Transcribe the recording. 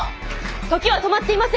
時は止まっていません。